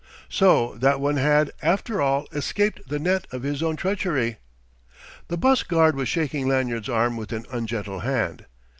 So that one had, after all, escaped the net of his own treachery! The 'bus guard was shaking Lanyard's arm with an ungentle hand.